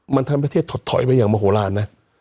มันทำให้ประเทศถดถอยไปอย่างมโหลานนะ